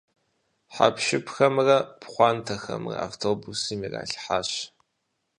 Хьэпшыпхэмрэ пхъуантэхэмрэ автобусым иралъхьащ.